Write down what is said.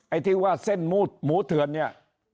ไอ้ที่ว่าเส้นหมูเถื่อนเนี่ย